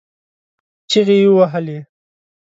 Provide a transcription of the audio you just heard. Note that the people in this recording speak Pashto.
چغې يې ووهلې.